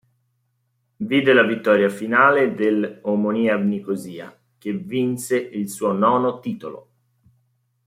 Vide la vittoria finale del Omonia Nicosia, che vinse il suo nono titolo.